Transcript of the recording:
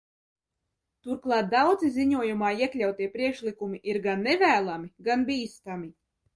Turklāt daudzi ziņojumā iekļautie priekšlikumi ir gan nevēlami, gan bīstami.